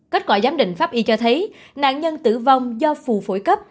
kết quả giám định pháp y cho thấy nạn nhân tử vong do phù phổi cấp